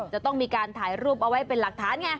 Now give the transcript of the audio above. จะต้องมีการถ่ายรูปเอาไว้เป็นหลักฐานไง